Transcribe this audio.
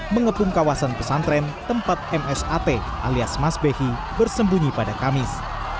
mengepung kawasan pesantren tempat msat alias mas behi bersembunyi pada kamis